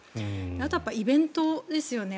あと、イベントですよね。